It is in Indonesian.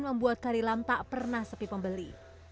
membuat kari lam tak pernah sepi pembeli